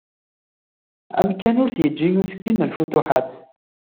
Amkan ur t-yeǧǧi usekkin n “lfutuḥat”.